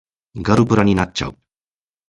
ガルプラになっちゃう